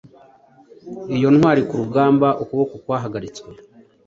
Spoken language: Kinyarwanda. Iyo intwari-kurugamba ukuboko kwahagaritswe